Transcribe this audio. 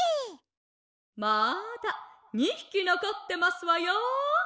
「まだ２ひきのこってますわよ」。